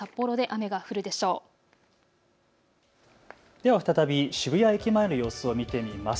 では再び渋谷駅前の様子を見てみます。